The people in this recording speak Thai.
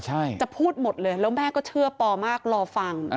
ใช่จะพูดหมดเลยแล้วแม่ก็เชื่อปอมากรอฟัง